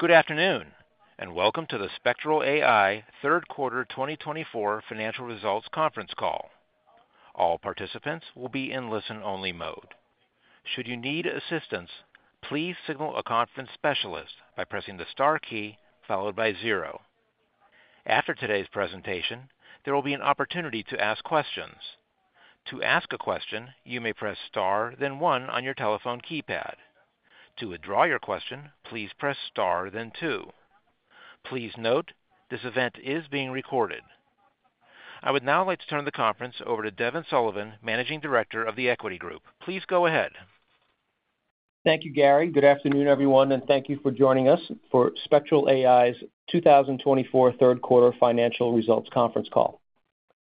Good afternoon, and welcome to the Spectral AI Third Quarter 2024 Financial Results Conference Call. All participants will be in listen-only mode. Should you need assistance, please signal a conference specialist by pressing the star key followed by zero. After today's presentation, there will be an opportunity to ask questions. To ask a question, you may press star, then one on your telephone keypad. To withdraw your question, please press star, then two. Please note, this event is being recorded. I would now like to turn the conference over to Devin Sullivan, Managing Director of The Equity Group. Please go ahead. Thank you, Gary. Good afternoon, everyone, and thank you for joining us for Spectral AI's 2024 Third Quarter Financial Results Conference Call.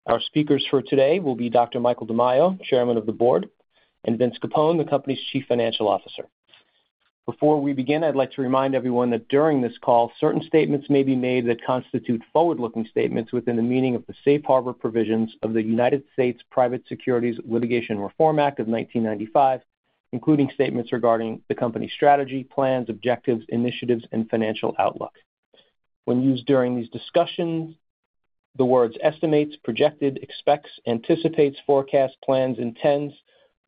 Our speakers for today will be Dr. Michael DiMaio, Chairman of the Board, and Vince Capone, the Company's Chief Financial Officer. Before we begin, I'd like to remind everyone that during this call, certain statements may be made that constitute forward-looking statements within the meaning of the safe harbor provisions of the United States Private Securities Litigation Reform Act of 1995, including statements regarding the company's strategy, plans, objectives, initiatives, and financial outlook. When used during these discussions, the words estimates, projected, expects, anticipates, forecasts, plans, intends,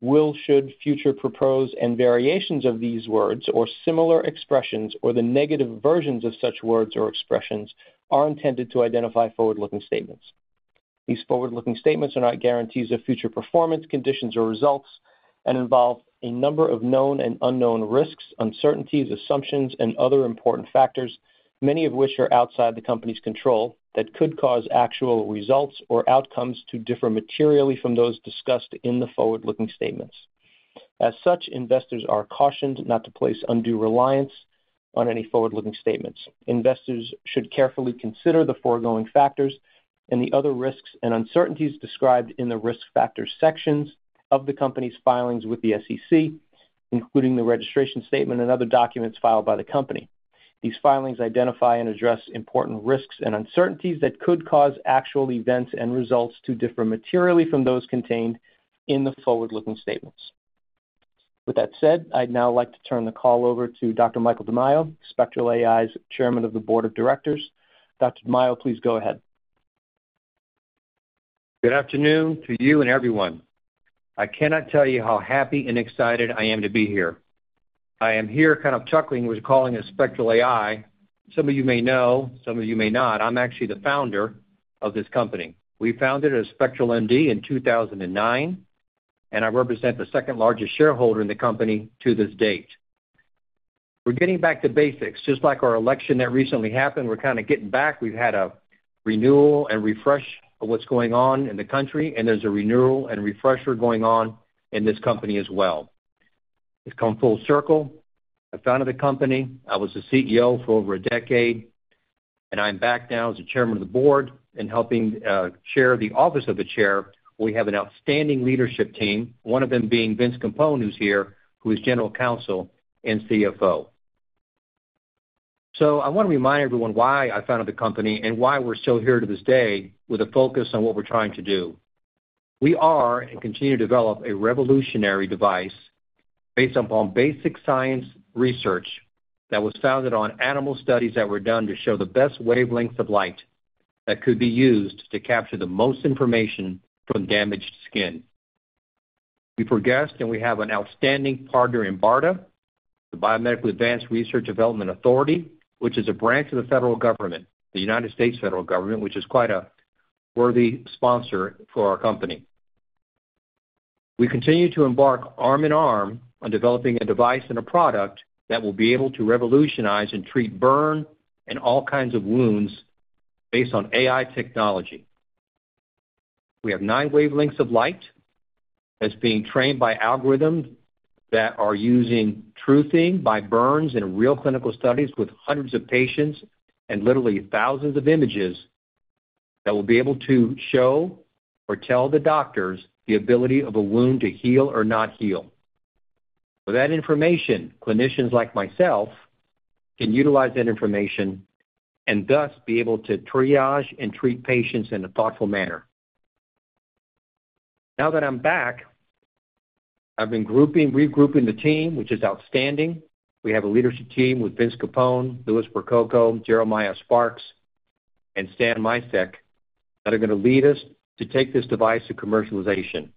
will, should, future proposed, and variations of these words or similar expressions or the negative versions of such words or expressions are intended to identify forward-looking statements. These forward-looking statements are not guarantees of future performance, conditions, or results and involve a number of known and unknown risks, uncertainties, assumptions, and other important factors, many of which are outside the company's control, that could cause actual results or outcomes to differ materially from those discussed in the forward-looking statements. As such, investors are cautioned not to place undue reliance on any forward-looking statements. Investors should carefully consider the foregoing factors and the other risks and uncertainties described in the risk factor sections of the company's filings with the SEC, including the registration statement and other documents filed by the company. These filings identify and address important risks and uncertainties that could cause actual events and results to differ materially from those contained in the forward-looking statements. With that said, I'd now like to turn the call over to Dr. Michael DiMaio, Spectral AI's Chairman of the Board of Directors. Dr. DiMaio, please go ahead. Good afternoon to you and everyone. I cannot tell you how happy and excited I am to be here. I am here kind of chuckling, recalling Spectral AI. Some of you may know, some of you may not. I'm actually the founder of this company. We founded as Spectral MD in 2009, and I represent the second largest shareholder in the company to this date. We're getting back to basics. Just like our election that recently happened, we're kind of getting back. We've had a renewal and refresh of what's going on in the country, and there's a renewal and refresher going on in this company as well. It's come full circle. I founded the company. I was the CEO for over a decade, and I'm back now as the Chairman of the Board and helping share the office of the Chair. We have an outstanding leadership team, one of them being Vince Capone, who's here, who is General Counsel and CFO. So I want to remind everyone why I founded the company and why we're still here to this day with a focus on what we're trying to do. We are and continue to develop a revolutionary device based upon basic science research that was founded on animal studies that were done to show the best wavelengths of light that could be used to capture the most information from damaged skin. We progressed, and we have an outstanding partner in BARDA, the Biomedical Advanced Research and Development Authority, which is a branch of the federal government, the United States federal government, which is quite a worthy sponsor for our company. We continue to embark arm in arm on developing a device and a product that will be able to revolutionize and treat burn and all kinds of wounds based on AI technology. We have nine wavelengths of light that's being trained by algorithms that are using truthing by burns in real clinical studies with hundreds of patients and literally thousands of images that will be able to show or tell the doctors the ability of a wound to heal or not heal. With that information, clinicians like myself can utilize that information and thus be able to triage and treat patients in a thoughtful manner. Now that I'm back, I've been regrouping the team, which is outstanding. We have a leadership team with Vince Capone, Louis Percoco, Jeremiah Sparks, and Stan Micek that are going to lead us to take this device to commercialization.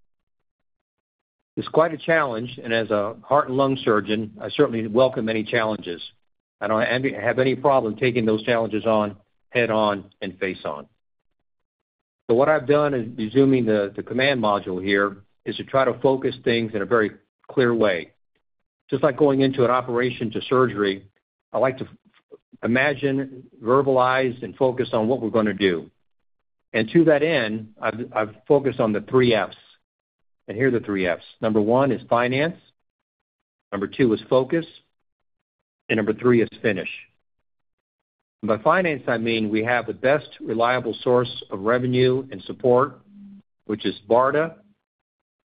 It's quite a challenge, and as a heart and lung surgeon, I certainly welcome any challenges. I don't have any problem taking those challenges on, head-on, and face-on, so what I've done is resuming the command module here is to try to focus things in a very clear way. Just like going into an operation to surgery, I like to imagine, verbalize, and focus on what we're going to do, and to that end, I've focused on the three Fs, and here are the three Fs. Number one is finance. Number two is focus, and number three is finish. By finance, I mean we have the best reliable source of revenue and support, which is BARDA,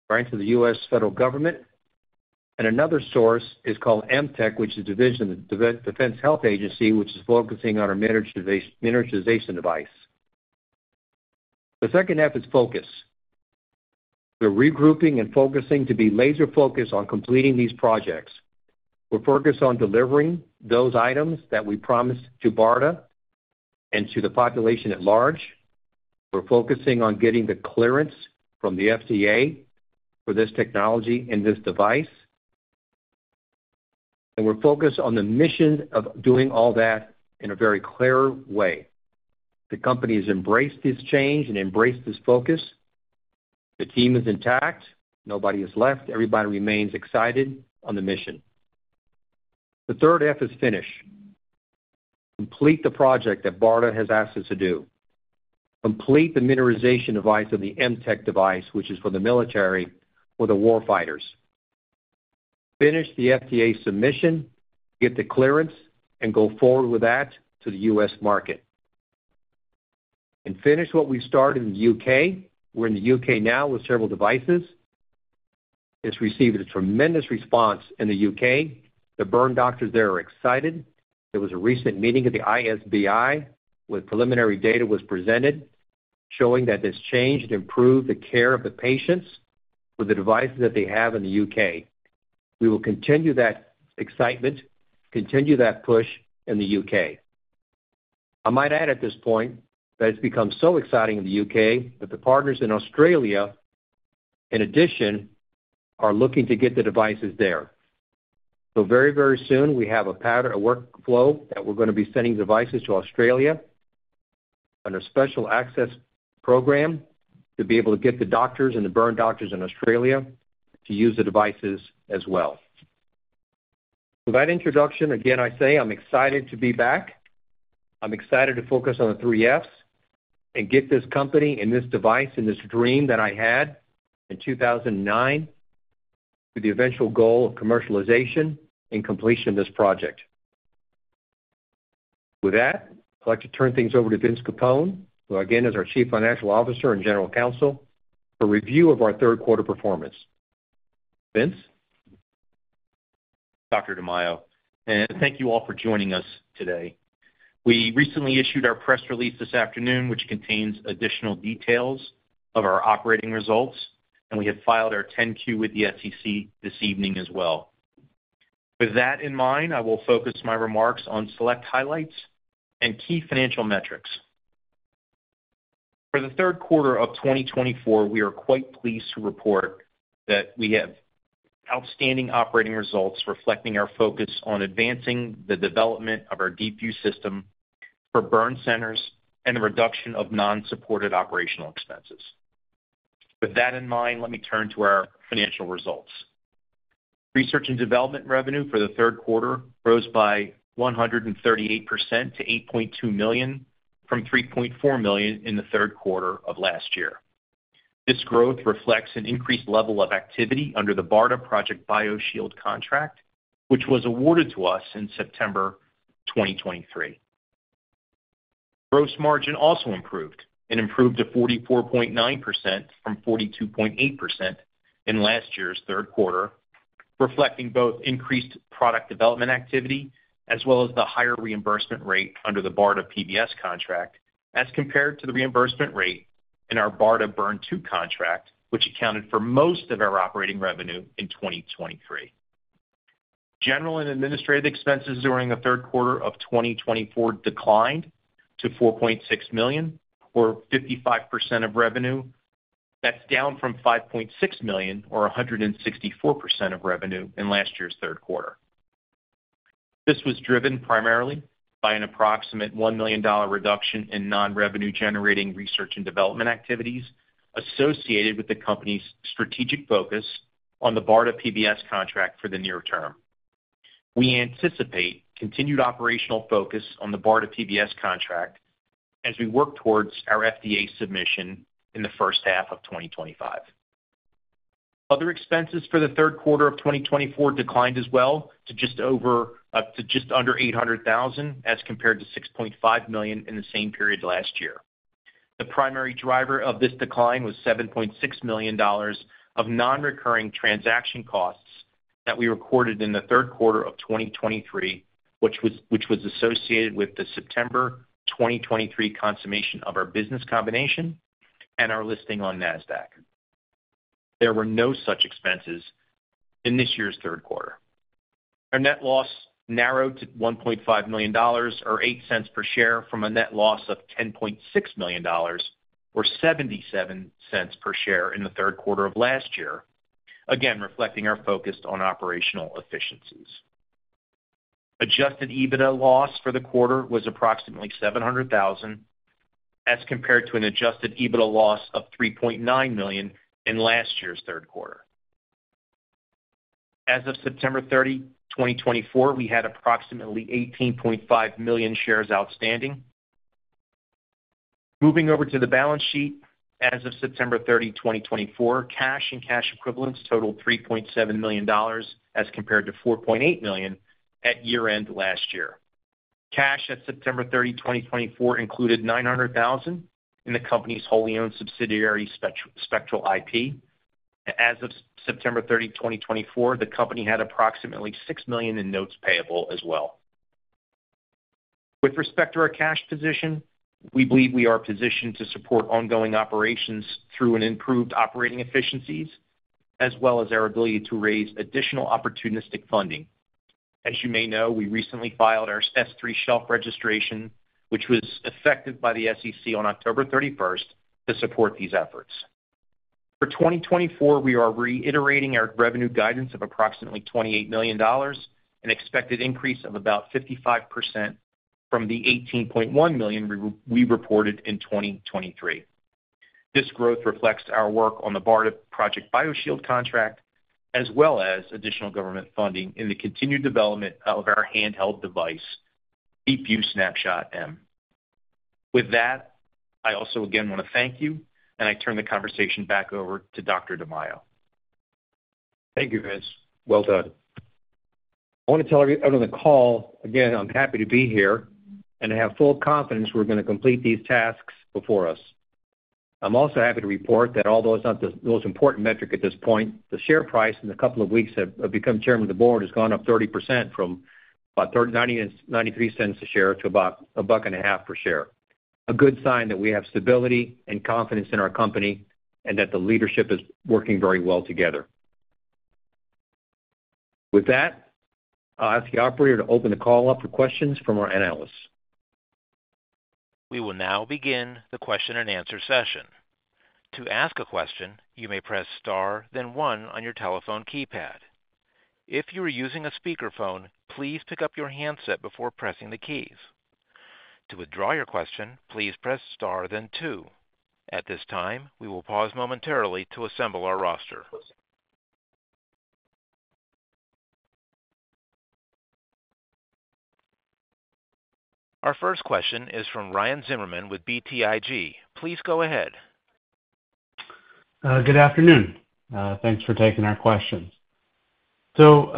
granted the U.S. federal government, and another source is called MTEC, which is the Division of the Defense Health Agency, which is focusing on a miniaturization device. The second F is focus. We're regrouping and focusing to be laser-focused on completing these projects. We're focused on delivering those items that we promised to BARDA and to the population at large. We're focusing on getting the clearance from the FDA for this technology and this device. And we're focused on the mission of doing all that in a very clear way. The company has embraced this change and embraced this focus. The team is intact. Nobody has left. Everybody remains excited on the mission. The third F is finish. Complete the project that BARDA has asked us to do. Complete the miniaturization device of the MTEC device, which is for the military or the war fighters. Finish the FDA submission, get the clearance, and go forward with that to the U.S. market. And finish what we started in the U.K. We're in the U.K. now with several devices. It's received a tremendous response in the U.K. The burn doctors there are excited. There was a recent meeting at the ISBI where preliminary data was presented showing that this change improved the care of the patients with the devices that they have in the U.K. We will continue that excitement, continue that push in the U.K. I might add at this point that it's become so exciting in the U.K. that the partners in Australia, in addition, are looking to get the devices there. So very, very soon, we have a workflow that we're going to be sending devices to Australia under a special access program to be able to get the doctors and the burn doctors in Australia to use the devices as well. So that introduction, again, I say I'm excited to be back. I'm excited to focus on the three Fs and get this company and this device and this dream that I had in 2009 with the eventual goal of commercialization and completion of this project. With that, I'd like to turn things over to Vince Capone, who again is our Chief Financial Officer and General Counsel, for review of our third quarter performance. Vince. Dr. DiMaio, and thank you all for joining us today. We recently issued our press release this afternoon, which contains additional details of our operating results, and we have filed our 10-Q with the SEC this evening as well. With that in mind, I will focus my remarks on select highlights and key financial metrics. For the third quarter of 2024, we are quite pleased to report that we have outstanding operating results reflecting our focus on advancing the development of our DeepView system for burn centers and the reduction of non-supported operational expenses. With that in mind, let me turn to our financial results. Research and development revenue for the third quarter rose by 138% to $8.2 million from $3.4 million in the third quarter of last year. This growth reflects an increased level of activity under the BARDA Project BioShield contract, which was awarded to us in September 2023. Gross margin also improved to 44.9% from 42.8% in last year's third quarter, reflecting both increased product development activity as well as the higher reimbursement rate under the BARDA PBS contract as compared to the reimbursement rate in our BARDA Burn II contract, which accounted for most of our operating revenue in 2023. General and administrative expenses during the third quarter of 2024 declined to $4.6 million, or 55% of revenue. That's down from $5.6 million, or 164% of revenue in last year's third quarter. This was driven primarily by an approximate $1 million reduction in non-revenue-generating research and development activities associated with the company's strategic focus on the BARDA PBS contract for the near term. We anticipate continued operational focus on the BARDA PBS contract as we work towards our FDA submission in the first half of 2025. Other expenses for the third quarter of 2024 declined as well to just under $800,000 as compared to $6.5 million in the same period last year. The primary driver of this decline was $7.6 million of non-recurring transaction costs that we recorded in the third quarter of 2023, which was associated with the September 2023 consummation of our business combination and our listing on NASDAQ. There were no such expenses in this year's third quarter. Our net loss narrowed to $1.5 million or $0.08 per share from a net loss of $10.6 million or $0.77 per share in the third quarter of last year, again reflecting our focus on operational efficiencies. Adjusted EBITDA loss for the quarter was approximately $700,000 as compared to an adjusted EBITDA loss of $3.9 million in last year's third quarter. As of September 30, 2024, we had approximately 18.5 million shares outstanding. Moving over to the balance sheet, as of September 30, 2024, cash and cash equivalents totaled $3.7 million as compared to $4.8 million at year-end last year. Cash at September 30, 2024, included $900,000 in the company's wholly-owned subsidiary Spectral IP. As of September 30, 2024, the company had approximately $6 million in notes payable as well. With respect to our cash position, we believe we are positioned to support ongoing operations through improved operating efficiencies as well as our ability to raise additional opportunistic funding. As you may know, we recently filed our S-3 shelf registration, which was effective by the SEC on October 31st, to support these efforts. For 2024, we are reiterating our revenue guidance of approximately $28 million and expected increase of about 55% from the $18.1 million we reported in 2023. This growth reflects our work on the BARDA Project BioShield contract as well as additional government funding in the continued development of our handheld device, DeepView SnapShot M. With that, I also again want to thank you, and I turn the conversation back over to Dr. DiMaio. Thank you, Vince. Well done. I want to tell everyone on the call, again, I'm happy to be here and have full confidence we're going to complete these tasks before us. I'm also happy to report that although it's not the most important metric at this point, the share price in a couple of weeks of becoming Chairman of the Board has gone up 30% from about $0.93 a share to about $1.50 per share. A good sign that we have stability and confidence in our company and that the leadership is working very well together. With that, I'll ask the operator to open the call up for questions from our analysts. We will now begin the question and answer session. To ask a question, you may press star, then one on your telephone keypad. If you are using a speakerphone, please pick up your handset before pressing the keys. To withdraw your question, please press star, then two. At this time, we will pause momentarily to assemble our roster. Our first question is from Ryan Zimmerman with BTIG. Please go ahead. Good afternoon. Thanks for taking our questions. So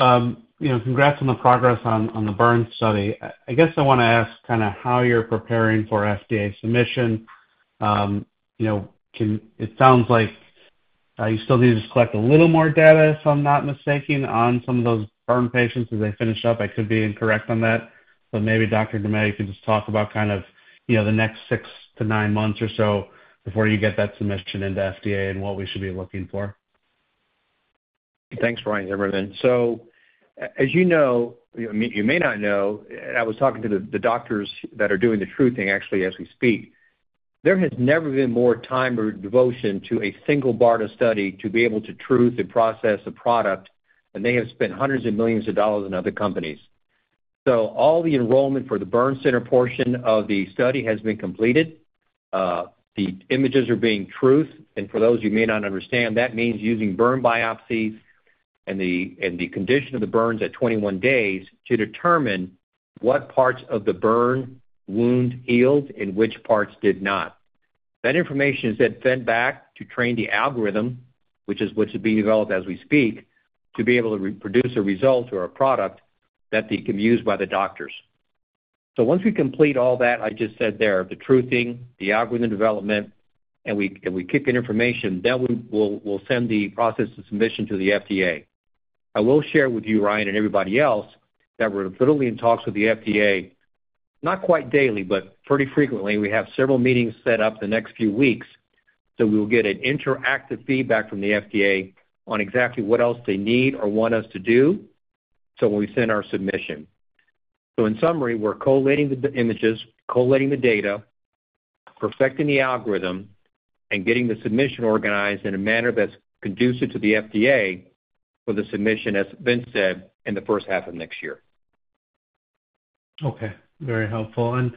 congrats on the progress on the burn study. I guess I want to ask kind of how you're preparing for FDA submission. It sounds like you still need to collect a little more data, if I'm not mistaken, on some of those burn patients as they finish up. I could be incorrect on that. But maybe Dr. DiMaio, you could just talk about kind of the next six to nine months or so before you get that submission into FDA and what we should be looking for? Thanks, Ryan Zimmerman. So as you know, you may not know, I was talking to the doctors that are doing the truthing actually as we speak. There has never been more time or devotion to a single BARDA study to be able to truth the process, the product, and they have spent hundreds of millions of dollars in other companies. So all the enrollment for the burn center portion of the study has been completed. The images are being truthed. And for those who may not understand, that means using burn biopsies and the condition of the burns at 21 days to determine what parts of the burn wound healed and which parts did not. That information is then fed back to train the algorithm, which is what's being developed as we speak, to be able to produce a result or a product that they can use by the doctors. So once we complete all that, I just said there, the truthing, the algorithm development, and we kick in information, then we'll send the process of submission to the FDA. I will share with you, Ryan, and everybody else that we're literally in talks with the FDA, not quite daily, but pretty frequently. We have several meetings set up the next few weeks. So we will get an interactive feedback from the FDA on exactly what else they need or want us to do. So when we send our submission. So in summary, we're collating the images, collating the data, perfecting the algorithm, and getting the submission organized in a manner that's conducive to the FDA for the submission, as Vince said, in the first half of next year. Okay. Very helpful. And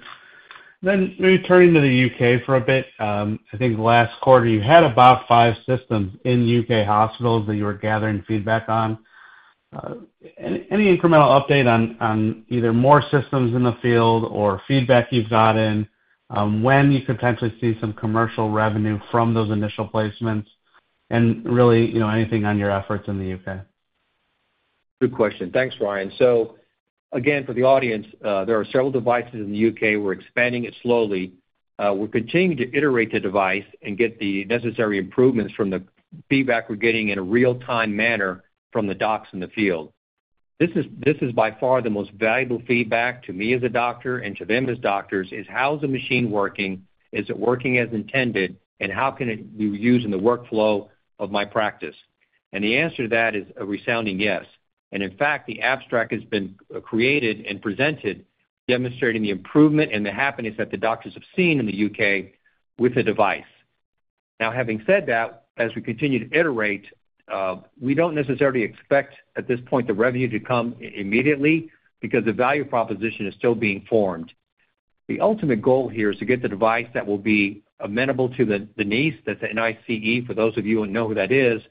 then returning to the U.K. for a bit, I think last quarter, you had about five systems in U.K. hospitals that you were gathering feedback on. Any incremental update on either more systems in the field or feedback you've gotten when you could potentially see some commercial revenue from those initial placements and really anything on your efforts in the U.K.? Good question. Thanks, Ryan. So again, for the audience, there are several devices in the U.K. We're expanding it slowly. We're continuing to iterate the device and get the necessary improvements from the feedback we're getting in a real-time manner from the docs in the field. This is by far the most valuable feedback to me as a doctor and to them as doctors is, how is the machine working? Is it working as intended? And how can it be used in the workflow of my practice? And the answer to that is a resounding yes. And in fact, the abstract has been created and presented demonstrating the improvement and the happiness that the doctors have seen in the U.K. with the device. Now, having said that, as we continue to iterate, we don't necessarily expect at this point the revenue to come immediately because the value proposition is still being formed. The ultimate goal here is to get the device that will be amenable to the NICE, that's N-I-C-E for those of you who know who that is.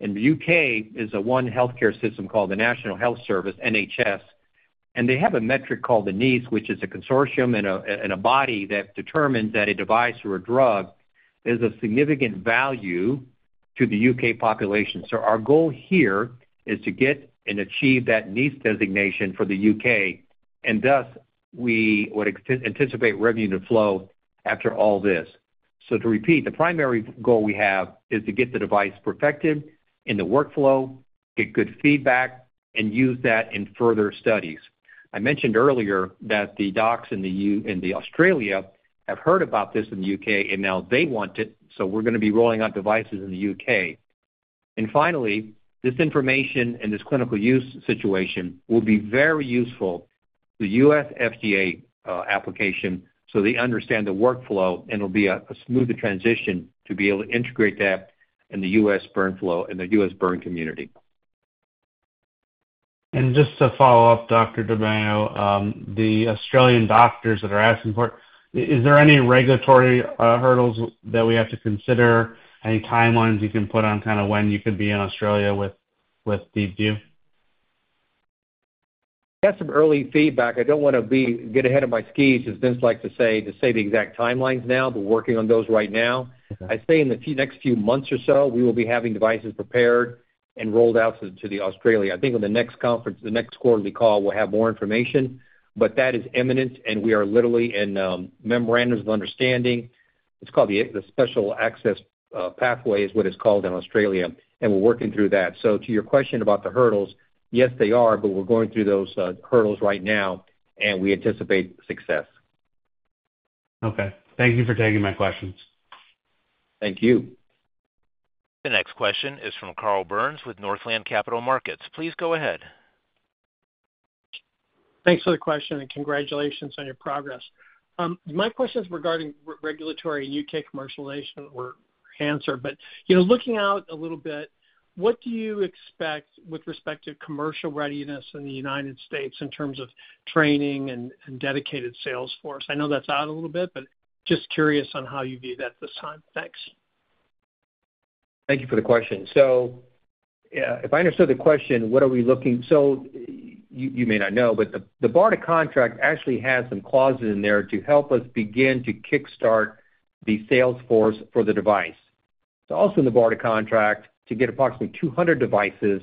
And the U.K. is one healthcare system called the National Health Service, NHS. And they have a metric called the NICE, which is a consortium and a body that determines that a device or a drug is of significant value to the U.K. population. So our goal here is to get and achieve that NICE designation for the U.K. And thus, we would anticipate revenue to flow after all this. So to repeat, the primary goal we have is to get the device perfected in the workflow, get good feedback, and use that in further studies. I mentioned earlier that the docs in Australia have heard about this in the U.K., and now they want it. So we're going to be rolling out devices in the U.K. And finally, this information and this clinical use situation will be very useful to the U.S. FDA application so they understand the workflow, and it'll be a smoother transition to be able to integrate that in the U.S. burn flow and the U.S. burn community. Just to follow up, Dr. DiMaio, the Australian doctors that are asking for it, is there any regulatory hurdles that we have to consider? Any timelines you can put on kind of when you could be in Australia with DeepView? I have some early feedback. I don't want to get ahead of my skis, as Vince likes to say, to say the exact timelines now, but working on those right now. I'd say in the next few months or so, we will be having devices prepared and rolled out to Australia. I think on the next conference, the next quarterly call, we'll have more information, but that is imminent, and we are literally in memorandums of understanding. It's called the special access pathway, is what it's called in Australia. And we're working through that. So to your question about the hurdles, yes, they are, but we're going through those hurdles right now, and we anticipate success. Okay. Thank you for taking my questions. Thank you. The next question is from Carl Byrnes with Northland Capital Markets. Please go ahead. Thanks for the question, and congratulations on your progress. My question is regarding regulatory and U.K. commercialization were answered. But looking out a little bit, what do you expect with respect to commercial readiness in the United States in terms of training and dedicated sales force? I know that's out a little bit, but just curious on how you view that this time. Thanks. Thank you for the question. So if I understood the question, what are we looking? So you may not know, but the BARDA contract actually has some clauses in there to help us begin to kickstart the salesforce for the device. It's also in the BARDA contract to get approximately 200 devices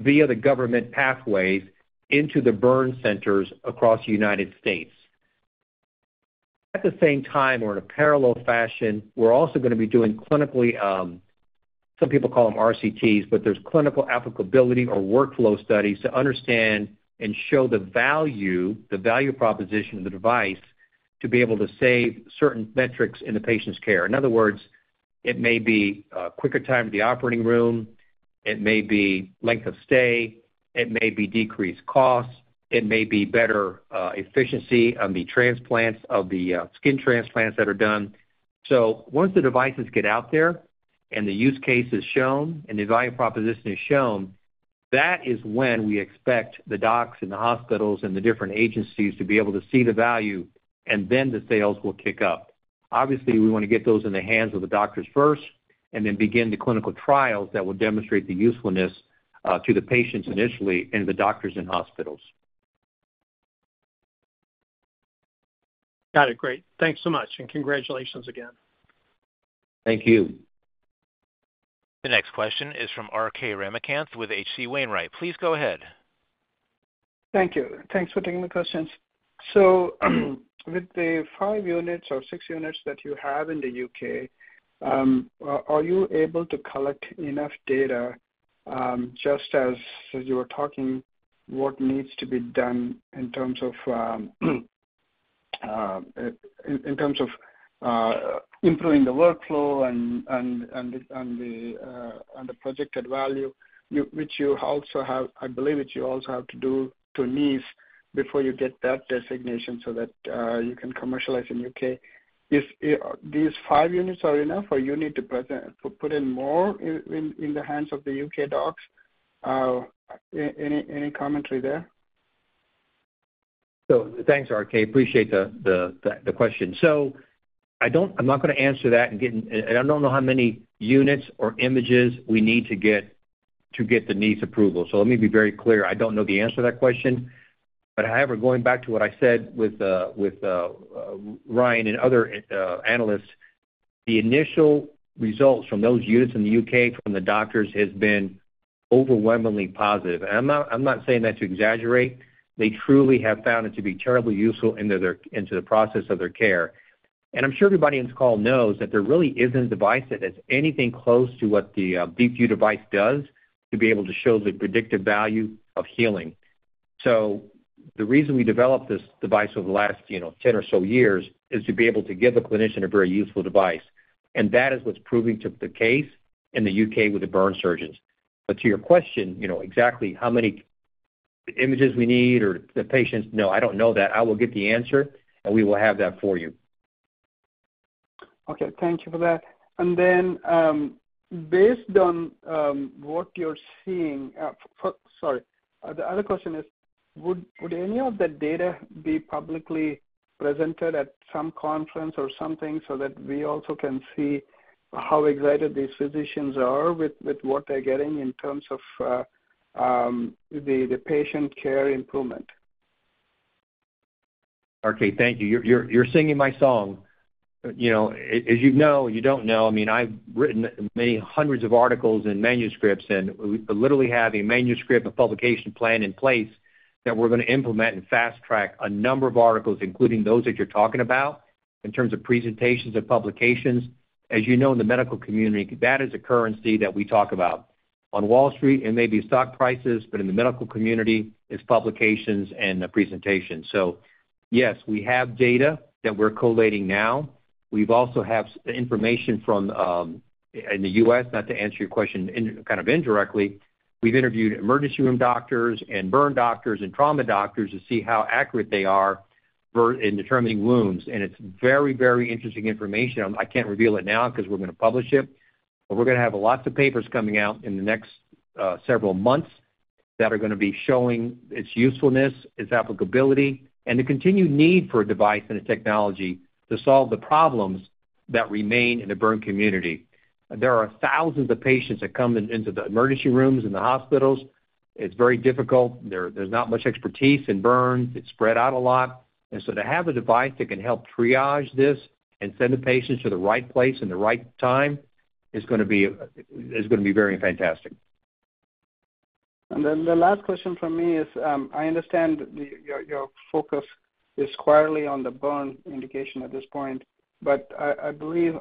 via the government pathways into the burn centers across the United States. At the same time, or in a parallel fashion, we're also going to be doing clinically, some people call them RCTs, but there's clinical applicability or workflow studies to understand and show the value proposition of the device to be able to save certain metrics in the patient's care. In other words, it may be a quicker time to the operating room. It may be length of stay. It may be decreased costs. It may be better efficiency on the transplants of the skin transplants that are done. So once the devices get out there and the use case is shown and the value proposition is shown, that is when we expect the docs and the hospitals and the different agencies to be able to see the value, and then the sales will kick up. Obviously, we want to get those in the hands of the doctors first and then begin the clinical trials that will demonstrate the usefulness to the patients initially and the doctors and hospitals. Got it. Great. Thanks so much. And congratulations again. Thank you. The next question is from RK Ramakanth with H.C. Wainwright. Please go ahead. Thank you. Thanks for taking the questions. So with the five units or six units that you have in the U.K., are you able to collect enough data just as you were talking what needs to be done in terms of improving the workflow and the projected value, which you also have, I believe that you also have to do to NICE before you get that designation so that you can commercialize in U.K.? These five units are enough, or you need to put in more in the hands of the U.K. docs? Any commentary there? So thanks, RK. Appreciate the question. So I'm not going to answer that, and I don't know how many units or images we need to get the NICE approval. So let me be very clear. I don't know the answer to that question. But however, going back to what I said with Ryan and other analysts, the initial results from those units in the U.K. from the doctors have been overwhelmingly positive. And I'm not saying that to exaggerate. They truly have found it to be terribly useful into the process of their care. And I'm sure everybody on this call knows that there really isn't a device that has anything close to what the DeepView device does to be able to show the predictive value of healing. So the reason we developed this device over the last 10 or so years is to be able to give a clinician a very useful device. And that is what's proving to be the case in the U.K. with the burn surgeons. But to your question, exactly how many images we need or the patients, no, I don't know that. I will get the answer, and we will have that for you. Okay. Thank you for that, and then based on what you're seeing, sorry. The other question is, would any of the data be publicly presented at some conference or something so that we also can see how excited these physicians are with what they're getting in terms of the patient care improvement? RK, thank you. You're singing my song. As you know, you don't know. I mean, I've written many hundreds of articles and manuscripts, and we literally have a manuscript, a publication plan in place that we're going to implement and fast-track a number of articles, including those that you're talking about in terms of presentations and publications. As you know, in the medical community, that is a currency that we talk about. On Wall Street, it may be stock prices, but in the medical community, it's publications and presentations. So yes, we have data that we're collating now. We also have information from the U.S., not to answer your question, kind of indirectly. We've interviewed emergency room doctors and burn doctors and trauma doctors to see how accurate they are in determining wounds, and it's very, very interesting information. I can't reveal it now because we're going to publish it. But we're going to have lots of papers coming out in the next several months that are going to be showing its usefulness, its applicability, and the continued need for a device and a technology to solve the problems that remain in the burn community. There are thousands of patients that come into the emergency rooms and the hospitals. It's very difficult. There's not much expertise in burns. It's spread out a lot. And so to have a device that can help triage this and send the patients to the right place in the right time is going to be very fantastic. And then the last question from me is, I understand your focus is squarely on the burn indication at this point, but I believe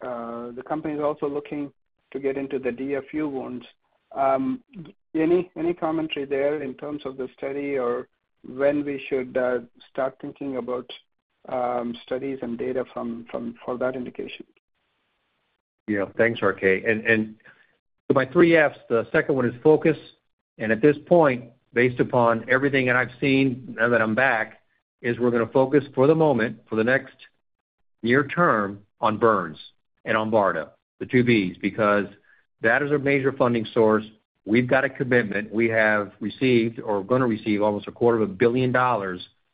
the company is also looking to get into the DFU wounds. Any commentary there in terms of the study or when we should start thinking about studies and data for that indication? Yeah. Thanks, RK. And my three Fs, the second one is focus. And at this point, based upon everything that I've seen now that I'm back, is we're going to focus for the moment, for the next near term, on burns and on BARDA, the two Bs, because that is our major funding source. We've got a commitment. We have received or are going to receive almost $250 million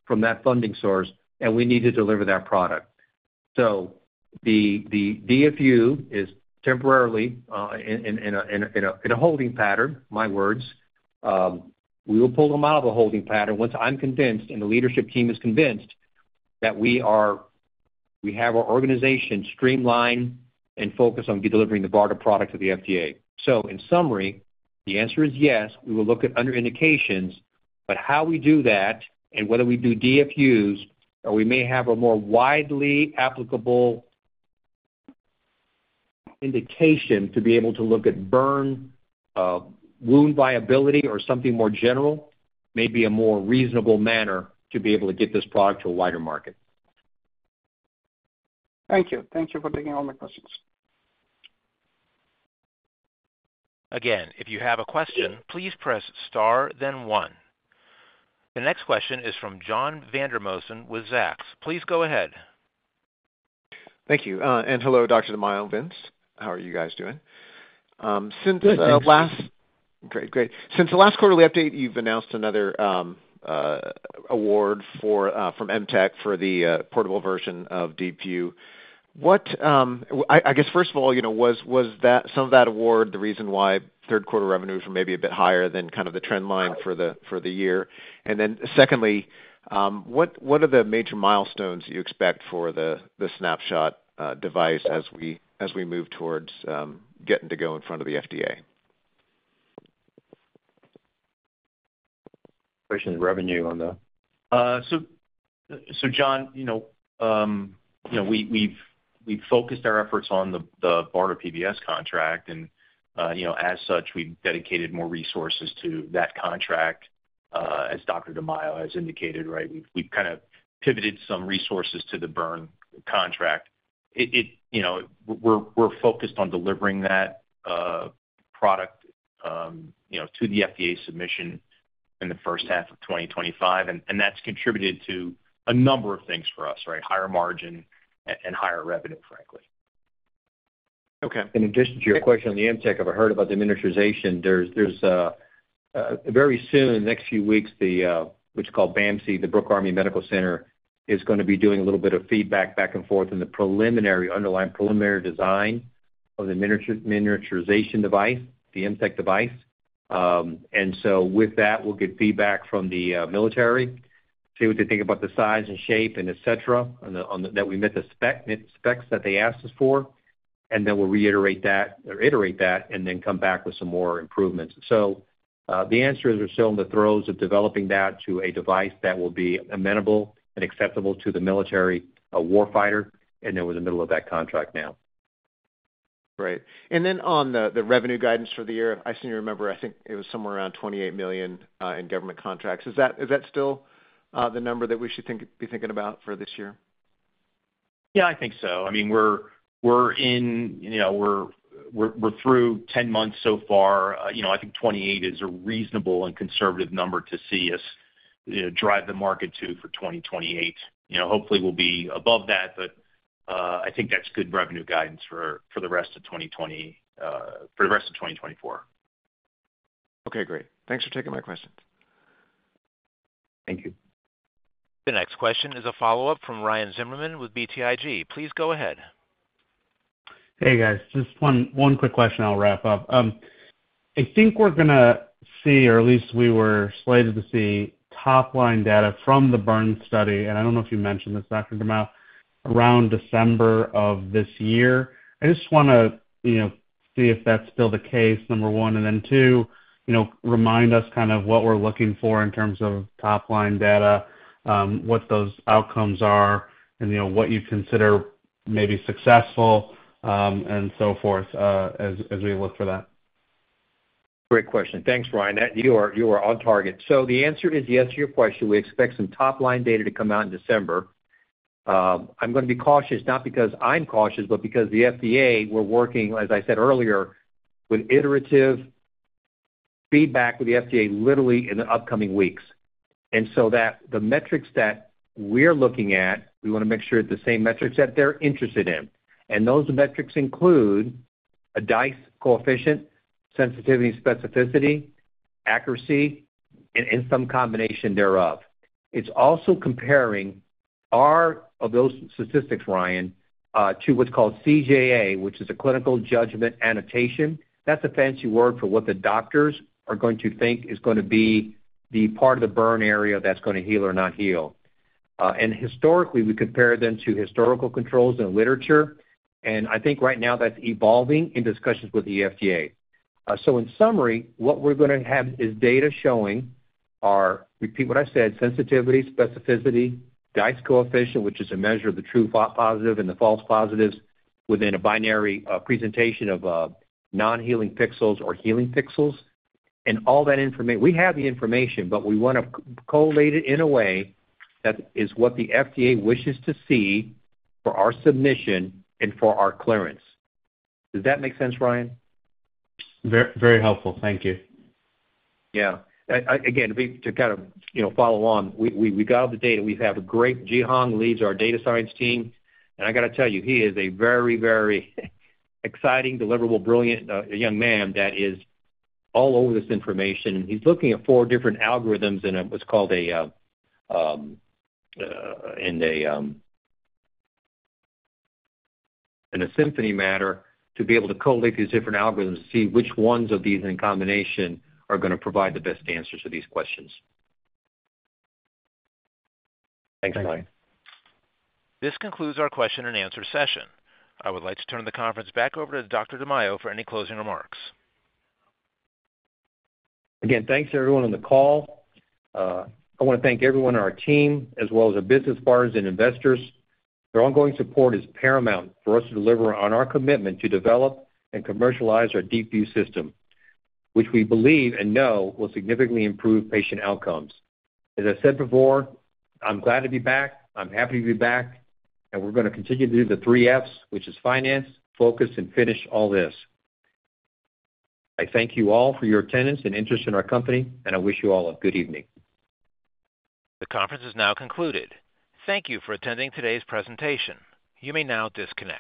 from that funding source, and we need to deliver that product. So the DFU is temporarily in a holding pattern, my words. We will pull them out of the holding pattern once I'm convinced and the leadership team is convinced that we have our organization streamline and focus on delivering the BARDA product to the FDA. So in summary, the answer is yes. We will look at other indications, but how we do that and whether we do DFUs or we may have a more widely applicable indication to be able to look at burn wound viability or something more general may be a more reasonable manner to be able to get this product to a wider market. Thank you. Thank you for taking all my questions. Again, if you have a question, please press star, then one. The next question is from John Vandermosten with Zacks. Please go ahead. Thank you and hello, Dr. DiMaio, Vince. How are you guys doing? Good. Great. Great. Since the last quarterly update, you've announced another award from MTEC for the portable version of DeepView. I guess, first of all, was some of that award the reason why third-quarter revenues were maybe a bit higher than kind of the trend line for the year? And then secondly, what are the major milestones you expect for the SnapShot device as we move towards getting to go in front of the FDA? Question is revenue on the? John, we've focused our efforts on the BARDA PBS contract, and as such, we've dedicated more resources to that contract, as Dr. DiMaio has indicated, right? We've kind of pivoted some resources to the burn contract. We're focused on delivering that product to the FDA submission in the first half of 2025, and that's contributed to a number of things for us, right? Higher margin and higher revenue, frankly. Okay. In addition to your question on the MTEC, I've heard about the miniaturization. Very soon, in the next few weeks, which is called BAMC, the Brooke Army Medical Center, is going to be doing a little bit of feedback back and forth on the underlying preliminary design of the miniaturization device, the MTEC device. And so with that, we'll get feedback from the military, see what they think about the size and shape and etc., that we met the specs that they asked us for, and then we'll reiterate that or iterate that and then come back with some more improvements. So the answer is we're still in the throes of developing that to a device that will be amenable and acceptable to the military, a war fighter, and then we're in the middle of that contract now. Great. And then on the revenue guidance for the year, I seem to remember I think it was somewhere around $28 million in government contracts. Is that still the number that we should be thinking about for this year? Yeah, I think so. I mean, we're in, we're through 10 months so far. I think $28 million is a reasonable and conservative number to see us drive the market to for 2028. Hopefully, we'll be above that, but I think that's good revenue guidance for the rest of 2020, for the rest of 2024. Okay. Great. Thanks for taking my questions. Thank you. The next question is a follow-up from Ryan Zimmerman with BTIG. Please go ahead. Hey, guys. Just one quick question and I'll wrap up. I think we're going to see, or at least we were slated to see, top-line data from the burn study, and I don't know if you mentioned this, Dr. DiMaio, around December of this year. I just want to see if that's still the case, number one, and then two, remind us kind of what we're looking for in terms of top-line data, what those outcomes are, and what you consider maybe successful, and so forth as we look for that? Great question. Thanks, Ryan. You are on target. So the answer is yes to your question. We expect some top-line data to come out in December. I'm going to be cautious, not because I'm cautious, but because the FDA, we're working, as I said earlier, with iterative feedback with the FDA literally in the upcoming weeks. And so the metrics that we're looking at, we want to make sure it's the same metrics that they're interested in. And those metrics include a Dice coefficient, sensitivity and specificity, accuracy, and some combination thereof. It's also comparing our of those statistics, Ryan, to what's called CJA, which is a clinical judgment annotation. That's a fancy word for what the doctors are going to think is going to be the part of the burn area that's going to heal or not heal. Historically, we compare them to historical controls and literature, and I think right now that's evolving in discussions with the FDA. In summary, what we're going to have is data showing our, repeat what I said, sensitivity, specificity, Dice coefficient, which is a measure of the true positive and the false positives within a binary presentation of non-healing pixels or healing pixels. All that information, we have the information, but we want to collate it in a way that is what the FDA wishes to see for our submission and for our clearance. Does that make sense, Ryan? Very helpful. Thank you. Yeah. Again, to kind of follow on, we got all the data. We have the great Jihang leads our data science team, and I got to tell you, he is a very, very exciting, deliverable, brilliant young man that is all over this information, and he's looking at four different algorithms in what's called a symphony manner to be able to collate these different algorithms to see which ones of these in combination are going to provide the best answers to these questions. Thanks, Ryan. This concludes our question and answer session. I would like to turn the conference back over to Dr. DiMaio for any closing remarks. Again, thanks to everyone on the call. I want to thank everyone on our team, as well as our business partners and investors. Their ongoing support is paramount for us to deliver on our commitment to develop and commercialize our DeepView system, which we believe and know will significantly improve patient outcomes. As I said before, I'm glad to be back. I'm happy to be back, and we're going to continue to do the three Fs, which is finance, focus, and finish all this. I thank you all for your attendance and interest in our company, and I wish you all a good evening. The conference has now concluded. Thank you for attending today's presentation. You may now disconnect.